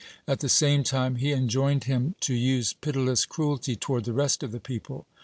At the same time he enjoined him to use pitiless cruelty toward the rest of the people.